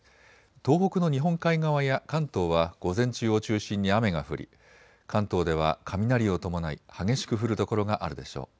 東北の日本海側や関東は午前中を中心に雨が降り関東では雷を伴い激しく降る所があるでしょう。